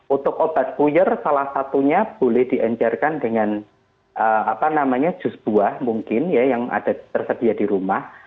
untuk obat puyur salah satunya boleh dienjarkan dengan jus buah mungkin ya yang ada tersedia di rumah